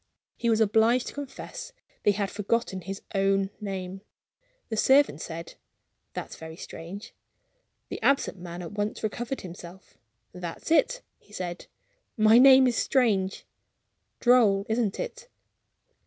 He was obliged to confess that he had forgotten his own name. The servant said, 'That's very strange.' The absent man at once recovered himself. 'That's it!' he said: 'my name is Strange.' Droll, isn't it?